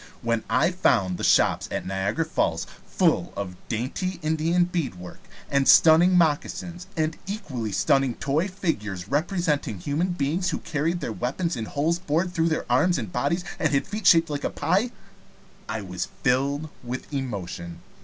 When I found the shops at Niagara Falls full of dainty Indian beadwork, and stunning moccasins, and equally stunning toy figures representing human beings who carried their weapons in holes bored through their arms and bodies, and had feet shaped like a pie, I was filled with emotion.